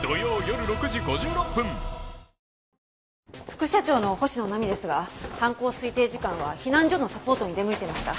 副社長の星野菜美ですが犯行推定時間は避難所のサポートに出向いてました。